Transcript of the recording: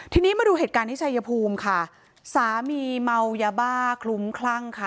ทีนี้มาดูเหตุการณ์ที่ชายภูมิค่ะสามีเมายาบ้าคลุ้มคลั่งค่ะ